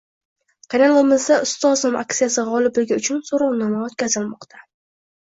Kanalimizda ustozim aksiyasi gʻolibligi uchun soʻrovnoma oʻtkazilmoqda.